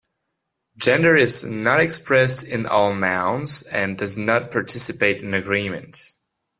Gender is not expressed in all nouns, and does not participate in agreement.